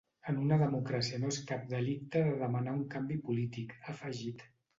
En una democràcia no és cap delicte de demanar un canvi polític, ha afegit.